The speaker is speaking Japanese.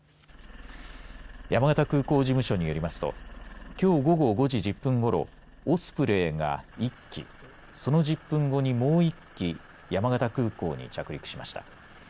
山形空港事務所によりますときょう午後５時１０分ごろオスプレイが１機その１０分後に、もう１機山形空港に着陸しました。